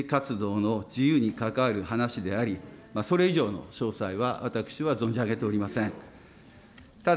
憲法が保障する政治活動の自由に関わる話であり、それ以上の詳細は私は存じ上げておりません。